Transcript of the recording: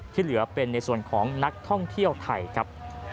ที่เหลือเป็นในส่วนของนักท่องเที่ยวไทยครับ